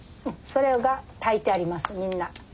それが炊いてありますみんな。